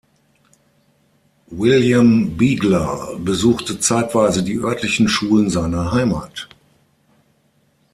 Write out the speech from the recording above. William Bigler besuchte zeitweise die örtlichen Schulen seiner Heimat.